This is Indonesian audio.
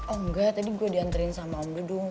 oh engga tadi gue diantriin sama om dudung